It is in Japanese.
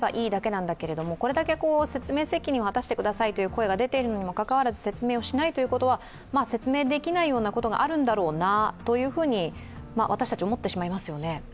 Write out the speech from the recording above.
なんだけれども、これだけ説明責任を果たしてくださいという声が出ているにもかかわらず説明しないということは説明できないようなことがあるんだろうなというふうに私たち思ってしまいますよね。